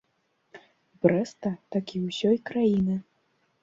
Брэста, так і ўсёй краіны.